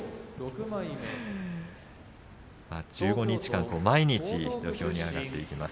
１５日間、毎日土俵に上がっていきます。